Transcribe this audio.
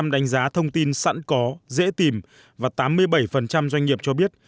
tám mươi bốn đánh giá thông tin sẵn có dễ tìm và tám mươi bảy doanh nghiệp cho biết